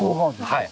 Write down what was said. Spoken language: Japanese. はい。